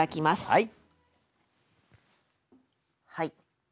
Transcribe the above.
はい。